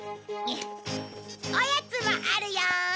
おやつもあるよ！